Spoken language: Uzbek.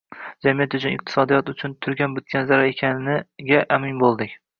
jamiyat uchun, iqtisodiyot uchun turgan-bitgani zarar ekaniga amin bo‘ldik.